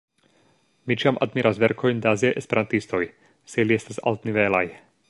Mi ĉiam admiras verkojn de aziaj esperantistoj, se ili estas altnivelaj.